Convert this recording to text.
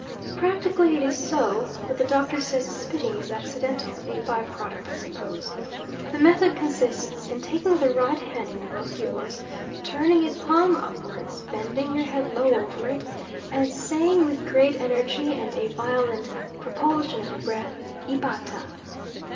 Practically it is so, but the Doctor says the spitting is accidental, a by product I suppose. The method consists in taking the right hand in both yours, turning it palm upwards, bending your head low over it, and saying with great energy and a violent propulsion of the breath, Ibata.